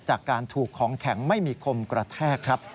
จากการถูกของแข็งไม่มีคมกระแทกครับ